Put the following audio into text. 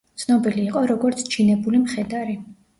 ცნობილი იყო, როგორც ჩინებული მხედარი.